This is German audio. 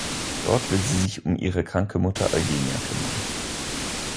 Dort will sie sich um ihre kranke Mutter Eugenia kümmern.